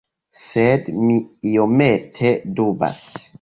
Sed mi iomete dubas.